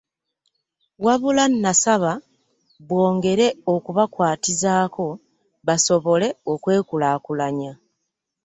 Wabula n'asaba bwongere okubakwatizaako basobole okwekulaakulanya.